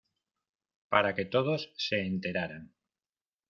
para que todos se enteraran